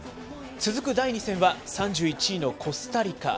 続く第２戦は、３１位のコスタリカ。